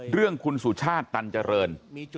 เรื่องคุณสุชาติตันเจริญ